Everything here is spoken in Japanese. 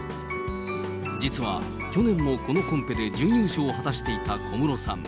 実は去年もこのコンペで準優勝を果たしていた小室さん。